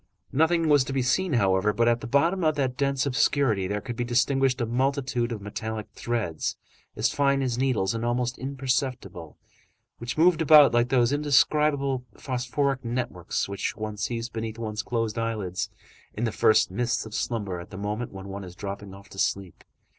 Nothing was to be seen, however, but at the bottom of that dense obscurity there could be distinguished a multitude of metallic threads, as fine as needles and almost imperceptible, which moved about like those indescribable phosphoric networks which one sees beneath one's closed eyelids, in the first mists of slumber at the moment when one is dropping off to sleep.